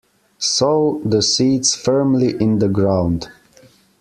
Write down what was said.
Sow the seeds firmly in the ground.